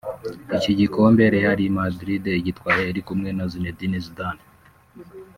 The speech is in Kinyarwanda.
Iki gikombe Real Madrid igitwaye iri kumwe na Zinedine Zidane